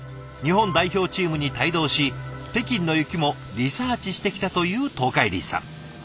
日本代表チームに帯同し北京の雪もリサーチしてきたという東海林さん。